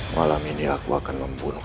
malam ini aku akan membunuh